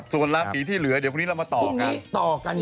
ส่วนราศีที่เหลือเดี๋ยวพรุ่งนี้เรามาต่อกัน